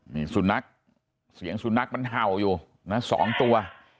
มีสุนัขเสียงสุนัขมันเห่าอยู่นะ๒ตัว